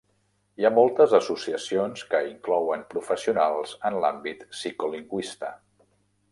Hi ha moltes associacions que inclouen professionals en l'àmbit psicolingüista.